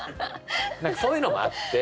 何かそういうのもあって。